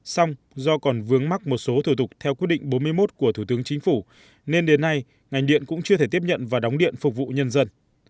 xong do còn vướng mắc một số thủ tục theo quyết định bốn mươi một của thủ tướng chính phủ nên đến nay ngành điện cũng chưa thể tiếp nhận và đóng điện phục vụ nhân dân